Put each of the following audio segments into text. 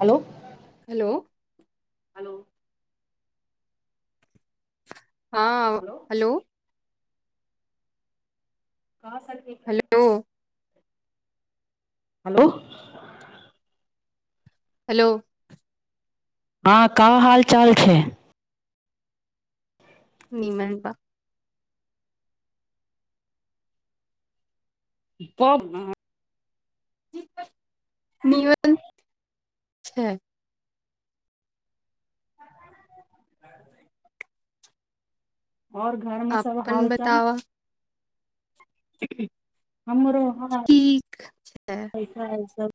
Hello hello hello हँ hello हाँ सखी हेलो हेलो हेलो हँ का हाल चाल छै? नीमन बा। बम [unintelligible] निमन छै। ओर घर में सब अपन हालचाल? बतावा हमरो है ठीक छै [unintelligible]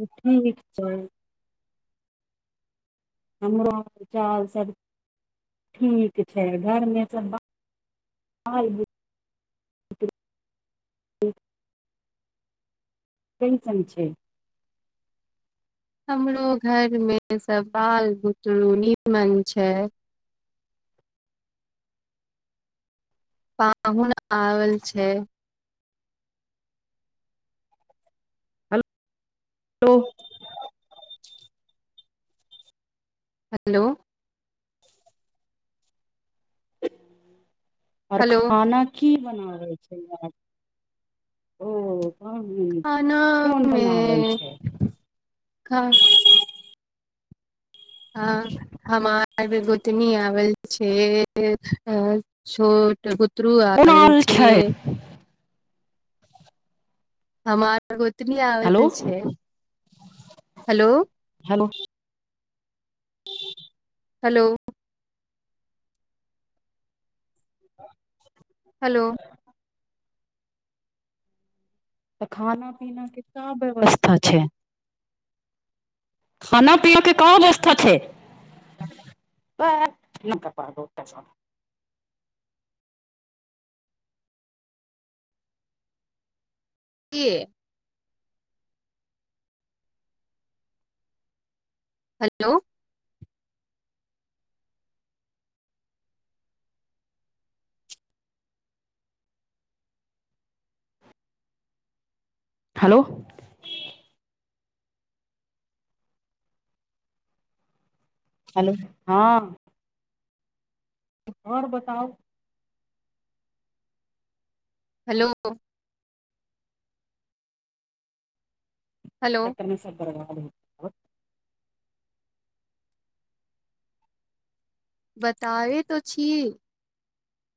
ठीक छै। हमरो चाल सब ठीक छै, घरमे सब बाल बुत कैइसन छै? हमरो घर में सब बाल बुतरु नीमन छै। पाहुन आवल छै। दो [unintelligible] हेलो आओर हेलो खाना की बनावाय छये, अहां ओ कोन बनावल खानामें छै खा हा हमर गोतनी आवल छै, छोट गोत बुतरु कोन आवल आल छै। हमर गोतनी हेलो आवल छै, हेलो हेलो हेलो [inaudible] हेलो तऽ खाना- पीना के का व्यवस्था छै? खाना पीना के क वस्था छै? ब न क प बहु [unintelligible] कि हेलो हेलो हेलो हँ आओर बताउ हेलो हेलो चक्कर में सब बर्बाद हो बताबे तो छी।